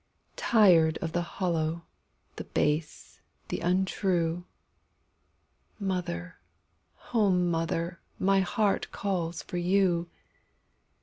Tired of the hollow, the base, the untrue, Mother, O mother, my heart calls for you!